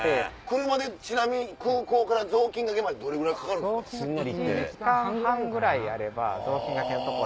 車でちなみに空港からぞうきんがけまでどれぐらいかかるんですか？